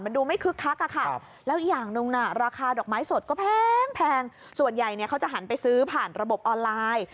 ดูไม่คึกคักอะค่ะแล้วอีกอย่างหนึ่งราคาดอกไม้สดก็แพงส่วนใหญ่เนี่ยเขาจะหันไปซื้อผ่านระบบออนไลน์